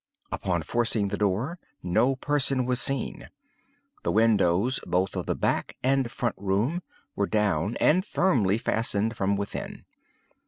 Upon forcing the door no person was seen. The windows, both of the back and front room, were down and firmly fastened from within.